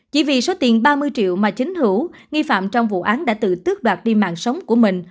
chỉ vì số tiền ba mươi triệu mà chính hữu nghi phạm trong vụ án đã tự tước đoạt đi mạng sống của mình